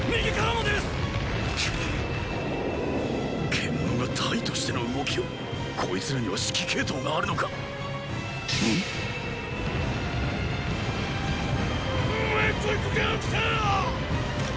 獣が隊としての動きを⁉こいつらには指揮系統があるのか⁉ん⁉メコイコカヲキテッ！